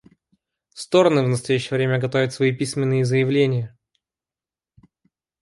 Стороны в настоящее время готовят свои письменные заявления.